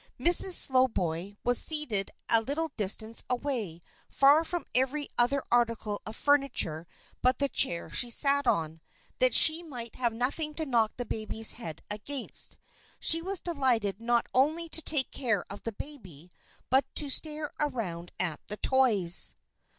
Miss Slowboy was seated a little distance away, far from every other article of furniture but the chair she sat on, that she might have nothing to knock the baby's head against. She was delighted not only to take care of the baby, but to stare around at the toys.